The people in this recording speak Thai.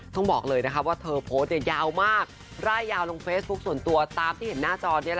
ต้องบอกเลยว่าเธอโพสต์ยาวมากร่ายยาวลงเฟซบุ๊คส่วนตัวตามที่เห็นหน้าจอ